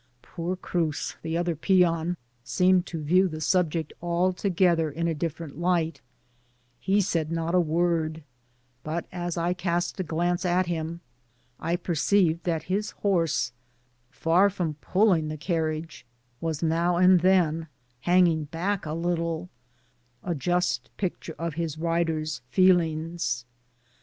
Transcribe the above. Poor Cruz, the other peon, seemed to view the subject altogether in a different light ; he said not a wwd, but as I cast a glance at him, I perceived that his horse, far from puUing the carriage, was ik>w and then hang ing back a little*— « just picture of his rider'*s feel ings.